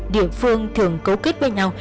địa phương thường cấu kết với nhau